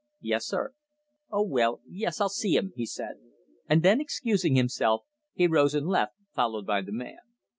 "Yes, sir." "Oh, well. Yes, I'll see him," he said. And then, excusing himself, he rose and left, followed by the man.